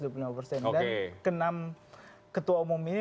dan ke enam ketua umum ini